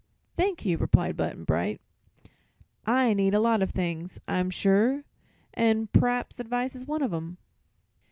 "Thank you," replied Button Bright; "I need a lot of things, I'm sure, and p'raps advice is one of 'em."